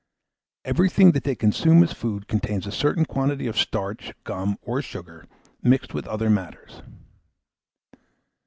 Everything that they consume as food contains a certain quantity of starch, gum, or sugar, mixed with other matters.